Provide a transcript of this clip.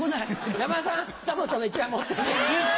山田さん久本さんの１枚持ってって。